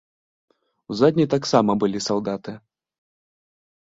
У задняй таксама былі салдаты.